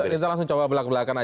kita langsung coba belak belakan aja